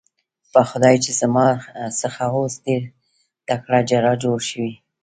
په خدای چې زما څخه اوس ډېر تکړه جراح جوړ شوی.